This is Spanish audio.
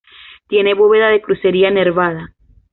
Tiene bóveda de crucería nervada.